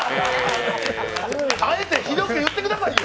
あえてひどく言ってくださいよ。